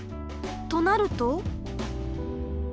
となると。